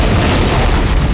tidak ada yang lebih sakti dariku